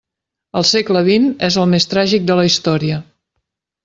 El segle vint és el més tràgic de la història.